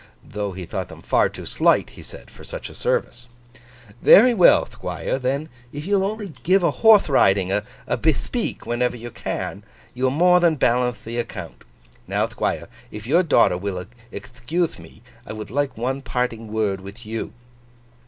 Though he thought them far too slight, he said, for such a service. 'Very well, Thquire; then, if you'll only give a Horthe riding, a bethpeak, whenever you can, you'll more than balanthe the account. Now, Thquire, if your daughter will ethcuthe me, I thould like one parting word with you.